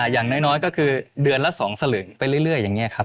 อย่างน้อยก็คือเดือนละ๒สลึงไปเรื่อยอย่างนี้ครับ